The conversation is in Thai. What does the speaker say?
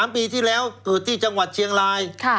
ปีที่แล้วเกิดที่จังหวัดเชียงราย